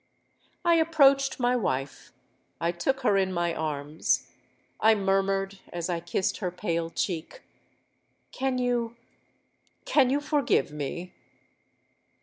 "I approached my wife—I took her in my arms—I murmured, as I kissed her pale cheek, 'Can you—can you forgive me?'